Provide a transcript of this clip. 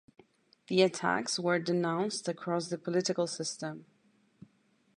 The attacks were denounced across the political system.